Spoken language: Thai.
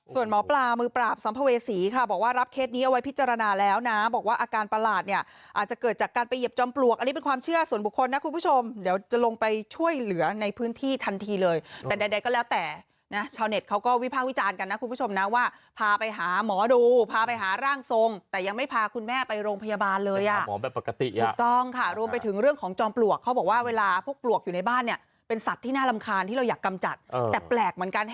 ส่วนหมอปลามือปราบสัมภเวษีค่ะบอกว่ารับเคสนี้เอาไว้พิจารณาแล้วนะบอกว่าอาการประหลาดเนี่ยอาจจะเกิดจากการไปเหยียบจอมปลวกอันนี้เป็นความเชื่อส่วนบุคคลนะคุณผู้ชมเดี๋ยวจะลงไปช่วยเหลือในพื้นที่ทันทีเลยแต่ใดก็แล้วแต่นะชาวเน็ตเขาก็วิภาควิจารณ์กันนะคุณผู้ชมนะว่าพาไปหาหมอดูพาไปหาร่